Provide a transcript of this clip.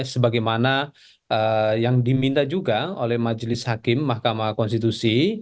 sebagaimana yang diminta juga oleh majelis hakim mahkamah konstitusi